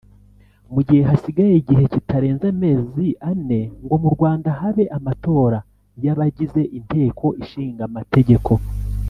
Mu gihe hasigaye igihe kitarenze amezi ane ngo mu Rwanda habe amatora y’abagize Inteko Ishinga Amategeko